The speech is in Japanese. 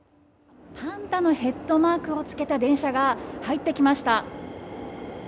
パンダのヘッドマークをつけた電車が入ってきました。